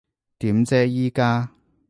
點啫依家？